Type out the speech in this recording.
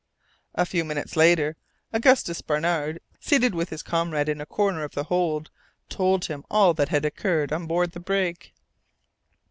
A few minutes later, Augustus Barnard, seated with his comrade in a corner of the hold, told him all that had occurred on board the brig.